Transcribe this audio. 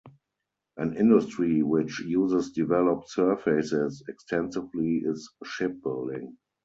An industry which uses developed surfaces extensively is shipbuilding.